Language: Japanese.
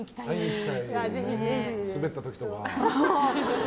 スベった時とか。